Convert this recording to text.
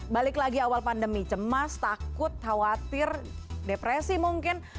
balik lagi awal pandemi cemas takut khawatir depresi mungkin